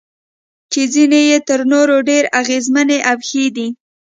چې ځینې یې تر نورو ډېرې اغیزمنې او ښې دي.